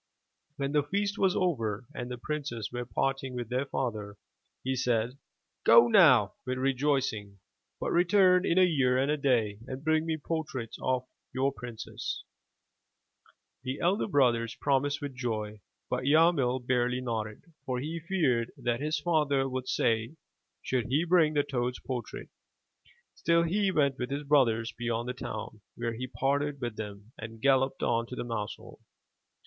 When the feast was over and the princes were parting with their father, he said: "Go now with rejoicing, but return in a year and a day, and bring me portraits of your princesses." 389 MY BOOK HOUSE The elder brothers promised with joy, but Yarmil barely nodded, for he feared what his father would say should he bring the toad's portrait. Still he went with his brothers beyond the town, where he parted with them, and galloped on to the mouse hole.